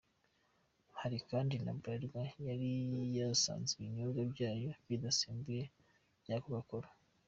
Hari kandi na Bralirwa yari yazanye ibinyobwa byayo bidasembuye bya Coca Cola.